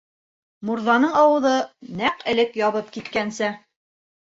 Мурҙаның ауыҙы нәҡ элек ябып киткәнсә.